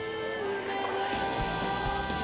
「すごい！」